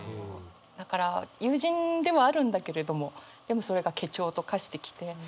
だから友人ではあるんだけれどもでもそれが怪鳥と化してきて。